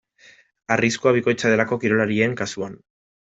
Arriskua bikoitza delako kirolarien kasuan.